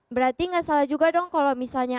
berarti nggak salah juga dong kalau misalnya